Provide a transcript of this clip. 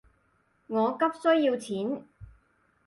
我急需要錢